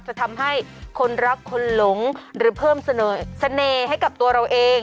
จะทำให้คนรักคนหลงหรือเพิ่มเสน่เสน่ห์ให้กับตัวเราเอง